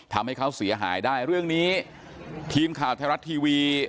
ทำให้เขาเสียหายได้เรื่องนี้ทีมข่าวไทยรัฐทีวี